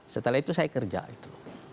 setelah itu saya kerja itu